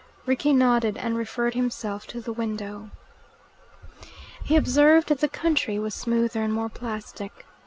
Rickie nodded, and referred himself to the window. He observed that the country was smoother and more plastic.